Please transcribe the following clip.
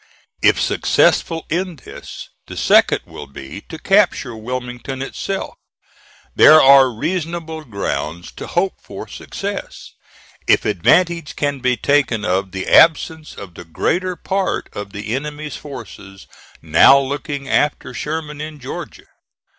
If successful in this, the second will be to capture Wilmington itself. There are reasonable grounds to hope for success, if advantage can be taken of the absence of the greater part of the enemy's forces now looking after Sherman in Georgia.